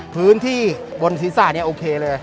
พื้นที่บนสีซ้าโอเคเลย